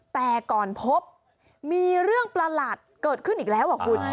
แต่ก่อนพบมีเรื่องประหลาดเกิดขึ้นอีกแล้วอ่ะคุณ